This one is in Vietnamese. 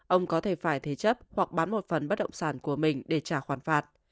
ông có thể phải thế chấp hoặc bán một phần bất động sản của mình để trả khoản phạt